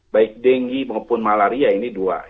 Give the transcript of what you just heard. baik denghi maupun malaria ini dua